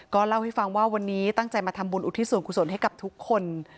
เล่าให้ฟังว่าวันนี้ตั้งใจมาทำบุญอุทิศส่วนกุศลให้กับทุกคน